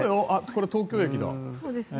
これ、東京駅だ。